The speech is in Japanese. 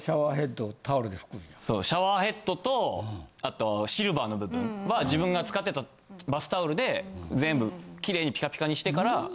シャワーヘッドとあとシルバーの部分は自分が使ってたバスタオルで全部キレイにピカピカにしてから。